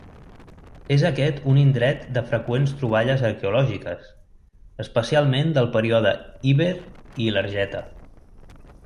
És aquest un indret de freqüents troballes arqueològiques, especialment del període Iber i Ilergeta.